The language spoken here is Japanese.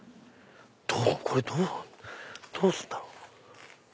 これどうすんだろ？